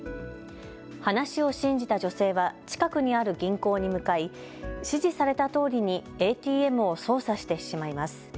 話を信じた女性は近くにある銀行に向かい指示されたとおりにＡＴＭを操作してしまいます。